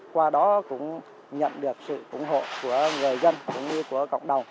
qua đó cũng nhận được sự ủng hộ của người dân cũng như của cộng đồng